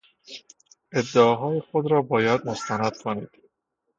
ادعاهای خود را باید مستند کنید.